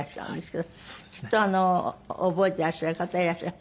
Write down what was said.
覚えてらっしゃる方いらっしゃる。